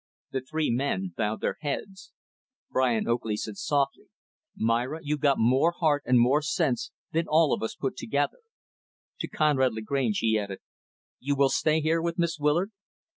The three men bowed their heads. Brian Oakley said softly, "Myra, you've got more heart and more sense than all of us put together." To Conrad Lagrange, he added, "You will stay here with Miss Willard?"